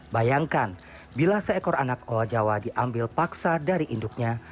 bayangkan bila seekor anak owa jawa diambil paksa dari induknya